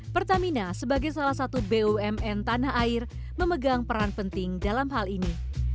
pertamina sebagai salah satu bumn tanah air memegang peran penting dalam hal ini